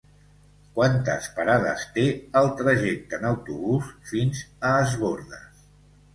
Quantes parades té el trajecte en autobús fins a Es Bòrdes?